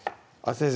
先生